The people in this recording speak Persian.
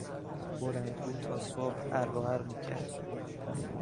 بلندگو تا صبح عر و عر میکرد.